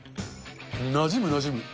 なじむ、なじむ。